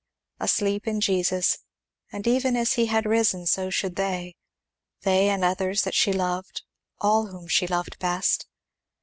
Asleep in Jesus; and even as he had risen so should they, they and others that she loved, all whom she loved best.